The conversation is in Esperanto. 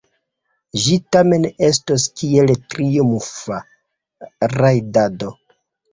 Ĝi tamen estos kiel triumfa rajdado.